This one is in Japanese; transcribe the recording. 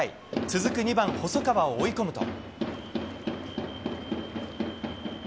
続く２番細川を追い込むと。